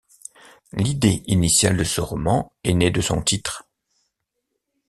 L'idée initiale de ce roman est née de son titre.